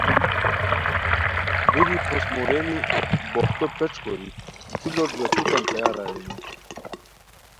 دُوری پھوست مورینی بوہتو پیݯ کوری جُو لوٹ ویتھوکان تیار ارینی